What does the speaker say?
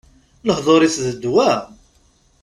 Lehdur-is, d ddwa!